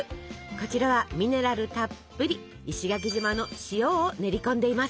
こちらはミネラルたっぷり石垣島の塩を練り込んでいます。